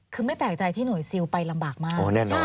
คือไม่แปลกใจที่หน่วยซิลไปลำบากมาก